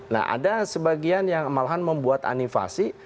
nah ada sebagian yang malahan membuat anivasi